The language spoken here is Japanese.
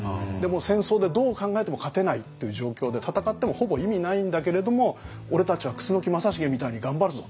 戦争でどう考えても勝てないっていう状況で戦ってもほぼ意味ないんだけれども俺たちは楠木正成みたいに頑張るぞと。